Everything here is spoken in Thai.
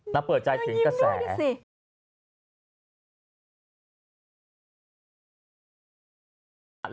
น้องเปิดใจถึงกระแสน้องยิ้มด้วยดิสิ